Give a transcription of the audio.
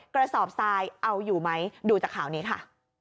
กระสอบทรายเอาอยู่ไหมดูจากข่าวนี้ค่ะ